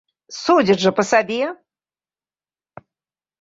Судзяць жа па сабе!